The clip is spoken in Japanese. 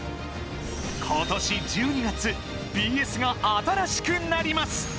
ことし１２月ＢＳが新しくなります！